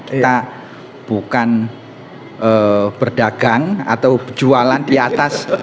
kita bukan berdagang atau jualan di atas